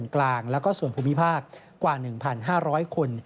กว่า๑๕๐๐คน